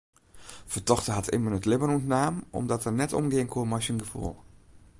Fertochte hat immen it libben ûntnaam omdat er net omgean koe mei syn gefoel.